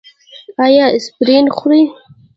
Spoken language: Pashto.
ایا اسپرین خورئ؟